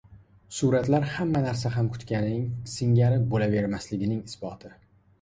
Suratlar hamma narsa ham kutganing singari bo‘lavermasligining isboti